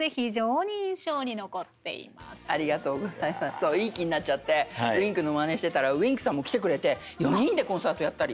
そういい気になっちゃってＷｉｎｋのまねしてたらＷｉｎｋさんも来てくれて４人でコンサートやったり。